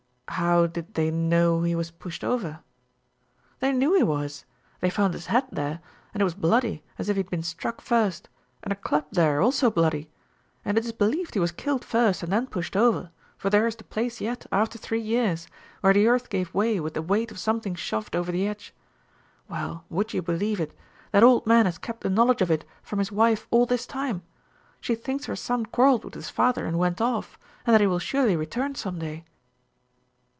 "How did they know he was pushed over?" "They knew he was. They found his hat there, and it was bloody, as if he had been struck first, and a club there, also bloody, and it is believed he was killed first and then pushed over, for there is the place yet, after three years, where the earth gave way with the weight of something shoved over the edge. Well, would you believe it that old man has kept the knowledge of it from his wife all this time. She thinks her son quarreled with his father and went off, and that he will surely return some day."